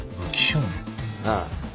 ああ。